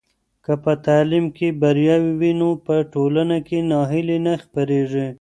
که په تعلیم کې بریا وي نو په ټولنه کې ناهیلي نه خپرېږي.